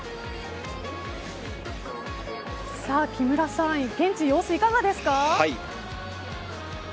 木村さん、現地様子いかがですか？